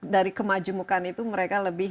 dari kemajemukan itu mereka lebih